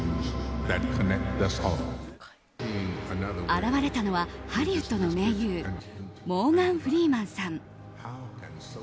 現れたのはハリウッドの名優モーガン・フリーマンさん。